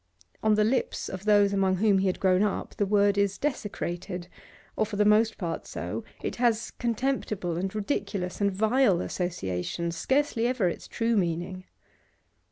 On the lips of those among whom he had grown up the word is desecrated, or for the most part so; it has contemptible, and ridiculous, and vile associations, scarcely ever its true meaning.